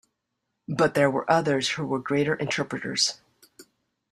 But there were others who were greater interpreters.